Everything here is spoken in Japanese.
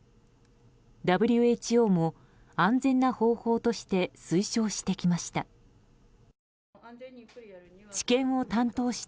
ＷＨＯも安全な方法として推奨してきました。